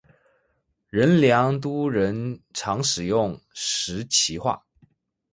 仁良都人常使用石岐话。